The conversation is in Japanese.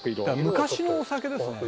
「昔のお酒ですね。